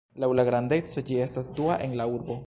Laŭ la grandeco, ĝi estas dua en la urbo.